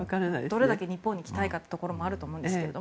どれだけ日本に来たいかというところもあると思いますが。